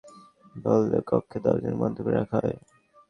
Hotel ব্যবস্থাপক দরজা খুলতে বললেও কক্ষের দরজা বন্ধ করে রাখা হয়।